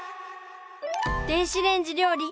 電子レンジ料理